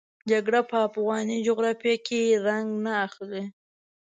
جګړه په افغاني جغرافیه کې رنګ نه اخلي.